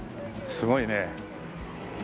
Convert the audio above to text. すごいね。